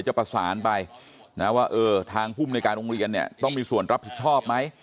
จะประสานไปนะว่าเออทางภูมิในการโรงเรียนเนี่ยต้องมีส่วนรับผิดชอบไหม